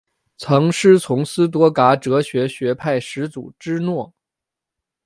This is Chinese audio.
曾师从斯多噶哲学学派始祖芝诺。